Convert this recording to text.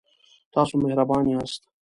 تاسو مهربان یاست